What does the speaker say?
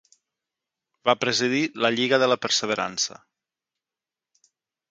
Va presidir la Lliga de la Perseverança.